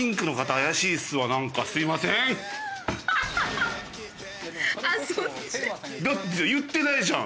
あっそっち？だって言ってないじゃん！